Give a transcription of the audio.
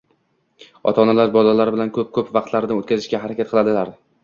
ota-onalar bolalari bilan ko‘p-ko‘p vaqtlarini o‘tkazishga harakat qiladilar.